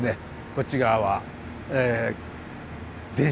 こっち側は電車ですね。